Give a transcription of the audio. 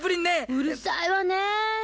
うるさいわね。